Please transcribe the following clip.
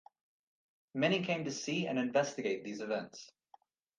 Many came to see and investigate these events.